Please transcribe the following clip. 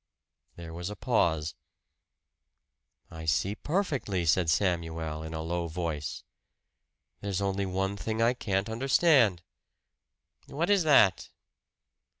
There was a pause. "I see perfectly," said Samuel, in a low voice. "There's only one thing I can't understand." "What is that?"